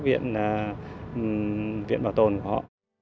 viện bảo tồn của họ